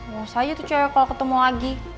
gak usah aja tuh cewek kalau ketemu lagi